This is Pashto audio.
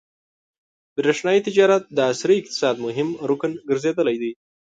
برېښنايي تجارت د عصري اقتصاد مهم رکن ګرځېدلی دی.